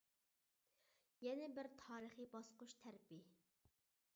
يەنە بىرى تارىخىي باسقۇچ تەرىپى.